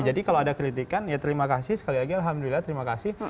jadi kalau ada kritikan ya terima kasih sekali lagi alhamdulillah terima kasih